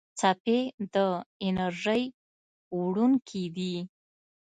څپې د انرژۍ وړونکي دي.